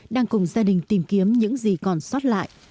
đang cùng gia đình tìm kiếm những gì còn sót lại